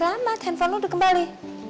tamat handphonenya udah kembali